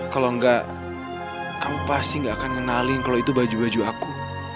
kalau enggak kamu pasti gak akan ngenalin kalau itu baju baju aku